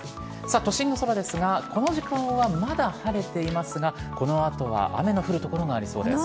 都心の空ですがこの時間はまだ晴れていますがこの後は雨の降る所がありそうです。